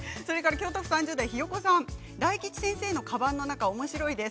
京都府３０代の方大吉先生のかばんの中おもしろいです。